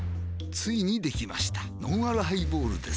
ついにできましたのんあるハイボールです